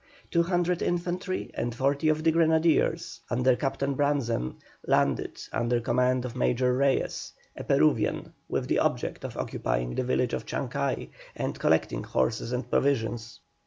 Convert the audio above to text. Two hundred infantry and forty of the grenadiers, under Captain Brandzen, landed, under command of Major Reyes, a Peruvian, with the object of occupying the village of Chancay, and collecting horses and provisions.